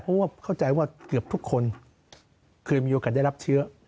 เพราะว่าเข้าใจว่าเกือบทุกคนเคยมีโอกาสได้รับเชื้อ